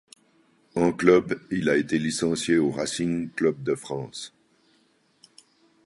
En club, il a été licencié au Racing Club de France.